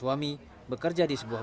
betapa rue beast tengah